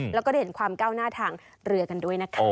แล้วก็ได้เห็นความก้าวหน้าทางเรือกันด้วยนะคะ